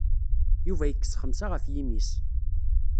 Yuba yekkes xemsa ɣef yimi-s.